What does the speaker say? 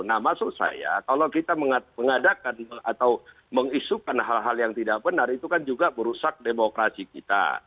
nah maksud saya kalau kita mengadakan atau mengisukan hal hal yang tidak benar itu kan juga merusak demokrasi kita